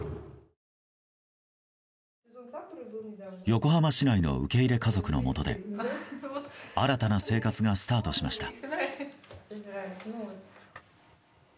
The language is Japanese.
横浜市内の受け入れ家族のもとで新たな生活がスタートしました。